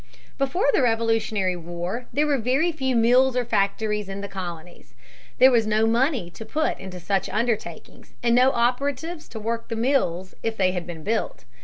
Before the Revolutionary War there were very few mills or factories in the colonies. There was no money to put into such undertakings and no operatives to work the mills if they had been built.